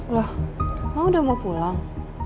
loh emang udah mau pulang